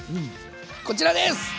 こちらです！